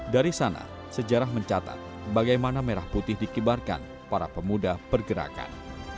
dari sana sejarah mencatat bagaimana merah putih dikibarkan para pemuda pergerakan